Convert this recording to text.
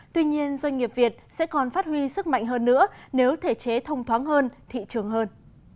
tuy nhiên doanh nghiệp việt sẽ còn phát huy sức mạnh hơn nữa nếu thể chế thông thoáng hơn thị trường hơn